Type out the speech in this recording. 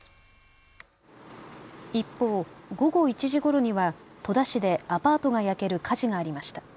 一方、午後１時ごろには戸田市でアパートが焼ける火事がありました。